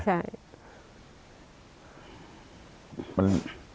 ใช่